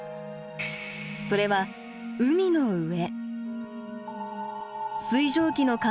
それは海の上。